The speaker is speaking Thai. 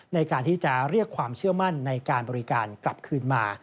ในการที่จะเรียกความเชื่อมั่นในการบริการกลับคืนมา